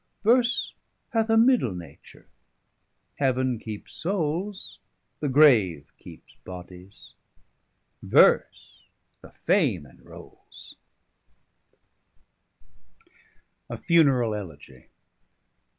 Verse hath a middle nature: heaven keepes Soules, The Grave keepes bodies, Verse the Fame enroules.